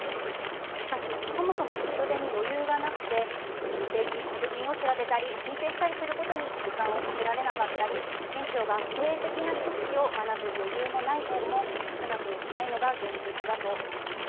しかし、そもそも人手に余裕がなくて補助金を調べたり申請したりすることに時間をかけられなかったり園長が経営的な知識を学ぶ余裕がない園も少なくないのが現実だと思います。